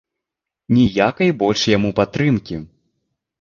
Ніякай больш яму падтрымкі.